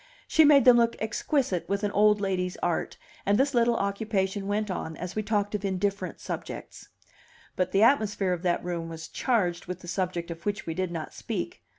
She made them look exquisite with an old lady's art, and this little occupation went on as we talked of indifferent subjects. But the atmosphere of that room was charged with the subject of which we did not speak.